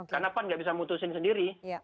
karena pan nggak bisa memutuskan sendiri